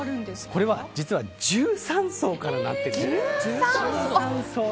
これは実は１３層からなっているんです。